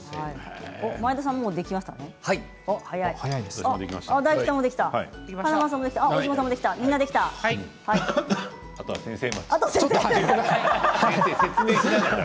前田さんはもうできましたね。